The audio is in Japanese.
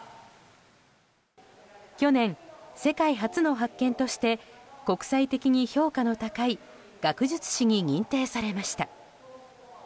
去年、世界初の発見として国際的に評価の高い学術誌に認定されました。